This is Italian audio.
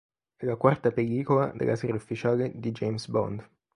È la quarta pellicola della serie ufficiale di James Bond.